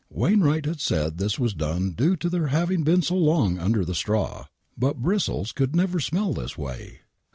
Wainwright had said this was due to their having been so long under the straw. But bristles could never smell in this way.